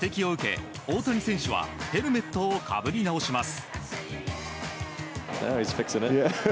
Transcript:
相手選手から指摘を受け大谷選手はヘルメットをかぶり直します。